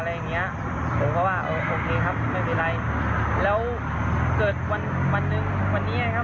แล้วก็ได้คุยกันครับ